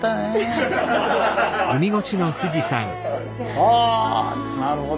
あなるほど。